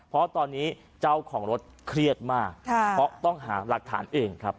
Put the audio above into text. เพราะตอนนี้เจ้าของรถเครียดมากเพราะต้องหาหลักฐานเองครับ